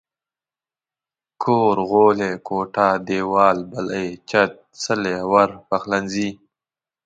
کور ، غولی، کوټه، ديوال، بلۍ، چت، څلی، ور، پخلنځي